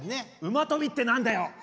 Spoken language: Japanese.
馬跳びって何だよ！